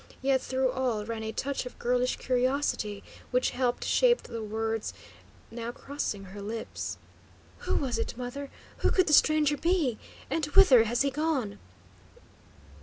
Yet through all ran a touch of girlish curiosity which helped shape the words now crossing her lips. "Who was it, mother? Who could the stranger be? And whither has he gone?"